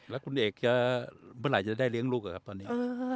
แล้วคุณเอกจะเมื่อไหร่จะได้เลี้ยงลูกอะครับตอนนี้